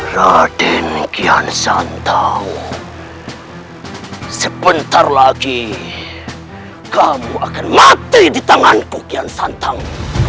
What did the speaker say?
raden kian santau sebentar lagi kamu akan mati di tanganku kian santang